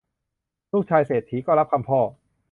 ลูกชายเศรษฐีก็รับคำพ่อ